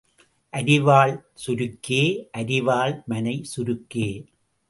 அரிவாள் சுருக்கே, அரிவாள் மணை சுருக்கே.